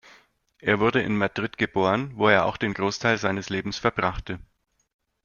Er wurde in Madrid geboren, wo er auch den Großteil seines Lebens verbrachte.